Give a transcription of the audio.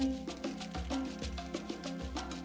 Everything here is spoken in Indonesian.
ini rumah sakit